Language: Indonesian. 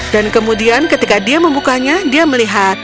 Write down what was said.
dan kemudian ketika dia membukanya dia melihat